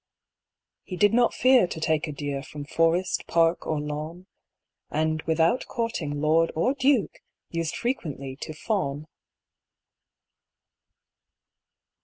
He did not fear to take a deer From forest, park, or lawn; And without courting lord or duke, Used frequently to fawn.